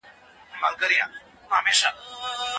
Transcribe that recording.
استقامت د شيطان او نفس د غوښتنو په وړاندې دفاع دی.